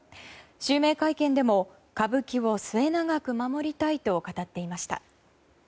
襲名会見でも歌舞伎を末永く守りたいと語っていました。